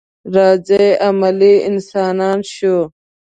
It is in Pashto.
راځئ عملي انسانان شو.